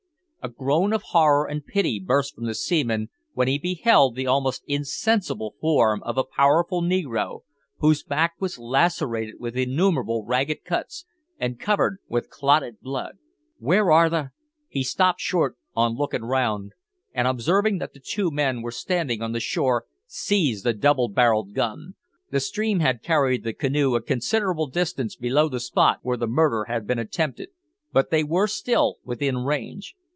A groan of horror and pity burst from the seaman when he beheld the almost insensible form of a powerful negro, whose back was lacerated with innumerable ragged cuts, and covered with clotted blood. "Where are the " He stopped short on looking round, and, observing that the two men were standing on the shore, seized a double barrelled gun. The stream had carried the canoe a considerable distance below the spot where the murder had been attempted, but they were still within range.